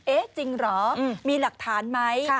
จริงเหรอมีหลักฐานไหม